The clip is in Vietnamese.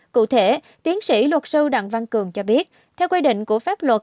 cụ thể tiến sĩ luật sư đặng văn cường cho biết theo quy định của pháp luật